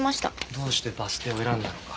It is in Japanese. どうしてバス停を選んだのか？